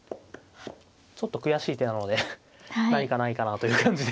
ちょっと悔しい手なので何かないかなという感じで。